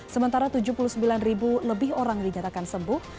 sementara tujuh puluh sembilan ribu lebih orang dinyatakan sembuh